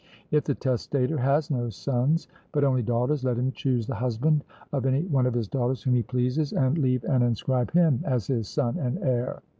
If the testator has no sons, but only daughters, let him choose the husband of any one of his daughters whom he pleases, and leave and inscribe him as his son and heir.